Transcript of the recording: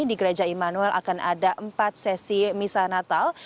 di gereja emanuan akan ada empat sesi misal natal